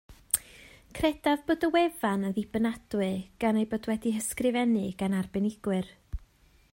Credaf fod y wefan yn ddibynadwy gan ei bod wedi'i hysgrifennu gan arbenigwyr